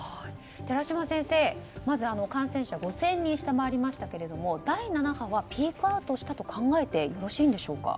寺嶋先生、感染者５０００人を下回りましたが第７波はピークアウトしたと考えてよろしいんでしょうか。